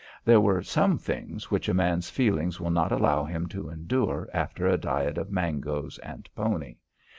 There are some things which a man's feelings will not allow him to endure after a diet of mangoes and pony.